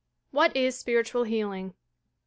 WHAT IS SPIBITUAL IIEALINO ?